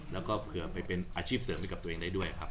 แล้วก็เผื่อไปเป็นอาชีพเสริมให้กับตัวเองได้ด้วยครับ